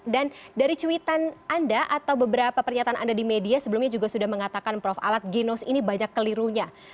dan dari cuitan anda atau beberapa pernyataan anda di media sebelumnya juga sudah mengatakan prof alat genos ini banyak kelirunya